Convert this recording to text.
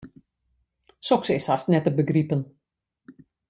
Soks is hast net te begripen.